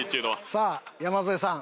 さあ山添さん。